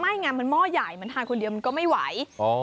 ไงมันหม้อใหญ่มันทานคนเดียวมันก็ไม่ไหว